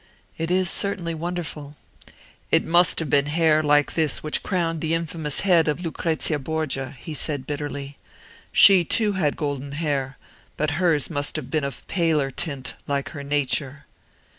"It is certainly wonderful." "It must have been hair like this which crowned the infamous head of Lucrezia Borgia," he said, bitterly. "She, too, had golden hair; but hers must have been of paler tint, like her nature."